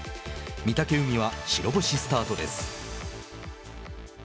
御嶽海は白星スタートです。